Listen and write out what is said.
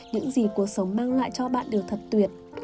những gì cuộc sống mang lại cho bạn đều thật tuyệt